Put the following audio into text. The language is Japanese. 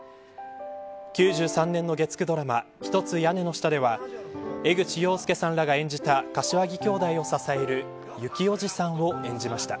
９３年の月９ドラマひとつ屋根の下では江口洋介さんらが演じた柏木きょうだいを支えるゆきおじさんを演じました。